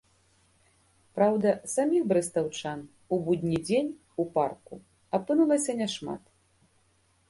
Праўда, саміх брэстаўчан у будні дзень у парку апынулася няшмат.